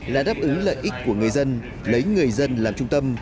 là đáp ứng lợi ích của người dân lấy người dân làm trung tâm